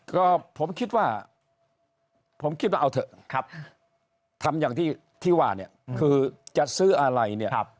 ก็ผมคิดว่าผมคิดว่าเอาเถอะทำอย่างที่ว่าเนี่ยคือจะซื้ออะไรเนี่ย